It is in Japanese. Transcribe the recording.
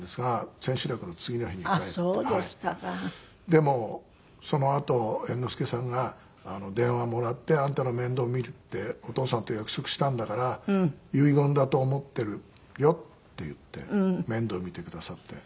でもそのあと猿之助さんが電話もらって「あんたの面倒見るってお父さんと約束したんだから遺言だと思っているよ」って言って面倒を見てくださって。